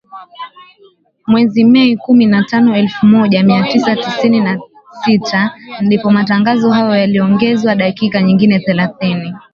Mwezi Mei kumi na tano elfu moja mia tisa sitini na sita ndipo matangazo hayo yaliongezewa dakika nyingine thelathini